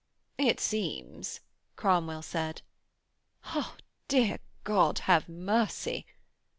'It seems,' Cromwell said. 'Ah, dear God have mercy.'